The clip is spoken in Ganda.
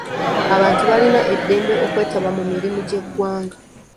Abantu balina eddembe okwetaba mu mirimu gy'eggwanga.